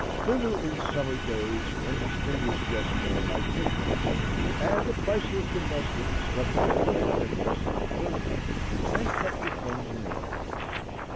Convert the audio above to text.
Thither in summer days, when distinguished guests came, I took them, and a priceless domestic swept the floor and dusted the furniture and kept the things in order.